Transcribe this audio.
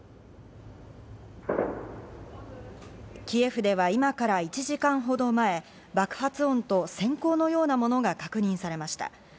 キエフでは今から１時間ほど前、爆発音とせん光のようなものが確認されました。